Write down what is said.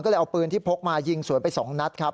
ก็เลยเอาปืนที่พกมายิงสวนไป๒นัดครับ